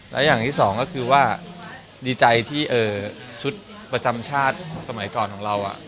และอย่างที่สองก็คือว่าดีใจที่ชุดประจำชาติสมัยก่อนของเรา